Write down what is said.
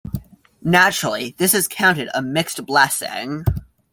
Naturally, this is counted a mixed blessing.